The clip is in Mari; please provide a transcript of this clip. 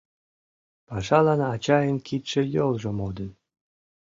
Пашалан ачайын кидше-йолжо модын.